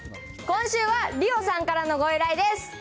今週はりおさんからのご依頼です。